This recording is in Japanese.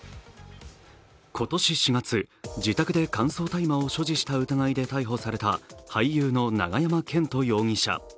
今年４月、自宅で乾燥大麻を所持したことで逮捕された俳優の永山絢斗容疑者。